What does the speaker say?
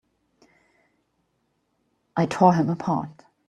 I tore him apart!